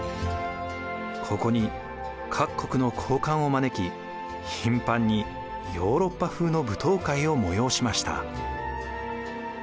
ここに各国の高官を招き頻繁にヨーロッパ風の舞踏会を催しました。